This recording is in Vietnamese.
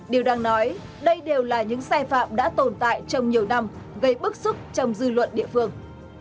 điều đang nói đây đều là những sai phạm đã tồn tại trong nhiều năm gây bức xúc trong dư luận địa phương